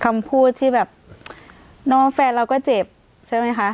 คำพูดที่แบบน้องแฟนเราก็เจ็บใช่ไหมคะ